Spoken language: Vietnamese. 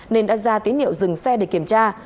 nên đã ra tín hiệu dừng xe để kiểm tra